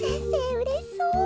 うれしそう。